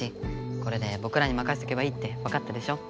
これでぼくらにまかせておけばいいってわかったでしょ。